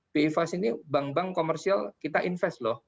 bi fast ini bank bank komersial kita invest loh